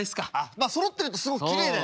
まあそろってるとすごくきれいだよね。